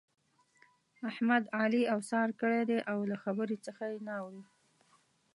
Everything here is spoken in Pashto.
احمد؛ علي اوسار کړی دی او له خبرې څخه يې نه اوړي.